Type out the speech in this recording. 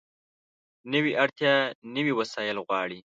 نوې اړتیا نوي وسایل غواړي